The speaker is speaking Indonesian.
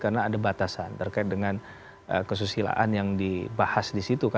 karena ada batasan terkait dengan kesusilaan yang dibahas di situ